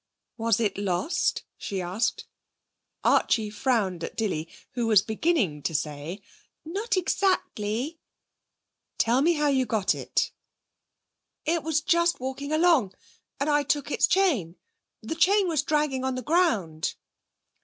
'Was it lost?' she asked. Archie frowned at Dilly, who was beginning to say, 'Not exactly.' 'Tell me how you got it.' 'It was just walking along, and I took its chain. The chain was dragging on the ground.'